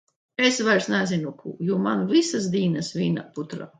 Es vairs nezinu ko, jo man jau visas dienas vienā lielā putrā.